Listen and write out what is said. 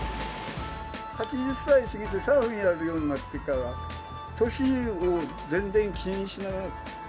８０歳過ぎてサーフィンやるようになってから、年を全然気にしなくなった。